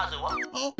えっ？